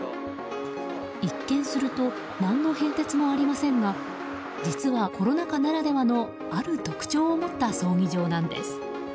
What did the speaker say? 一見すると何の変哲もありませんが実はコロナ禍ならではのある特徴を持った葬儀場なんです。